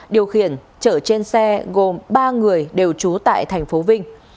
điều khiển chở trên xe gồm ba người đều trú tại thành phố vinh